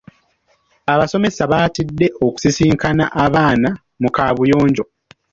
Abasomesa baatidde okusisinkana abaana mu kaabuyonjo.